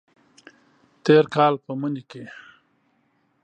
تیر کال په مني کې